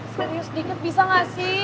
serius dikit bisa gak sih